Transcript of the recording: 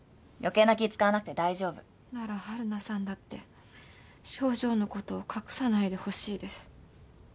余計な気遣わなくて大丈夫。なら晴汝さんだって症状のことを隠さないでほしいです。